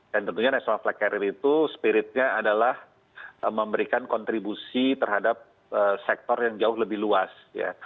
dan tentunya national flag carrier itu spiritnya adalah memberikan kontribusi terhadap sektor yang jauh lebih luas ya